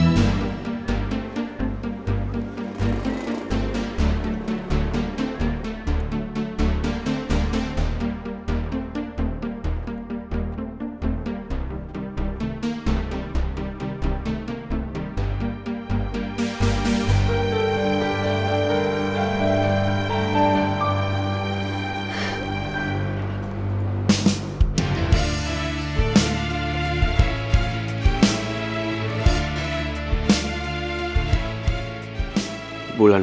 nanti gue jalan